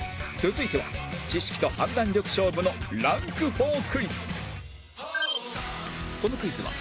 続いては知識と判断力勝負のランク４クイズ